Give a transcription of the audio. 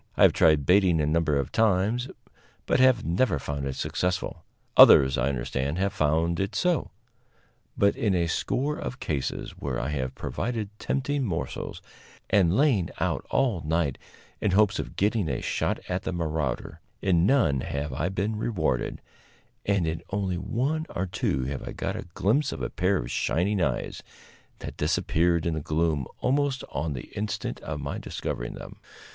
I have tried baiting a number of times, but have never found it successful. Others, I understand, have found it so; but in a score of cases, where I have provided tempting morsels, and lain out all night in hopes of getting a shot at the marauder, in none have I been rewarded, and in only one or two have I got a glimpse of a pair of shining eyes, that disappeared in the gloom almost on the instant of my discovering them.